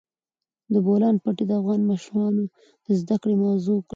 د بولان پټي د افغان ماشومانو د زده کړې موضوع ده.